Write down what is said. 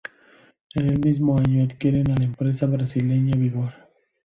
En el mismo año adquieren a la empresa brasileña Vigor.